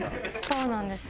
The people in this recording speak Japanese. そうなんです。